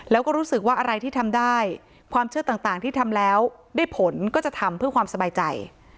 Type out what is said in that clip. แล้วก็รู้สึกว่าอะไรที่ทำได้ความเชื่อต่างที่ทำแล้วได้ผลก็จะทำเพื่อความสบายใจ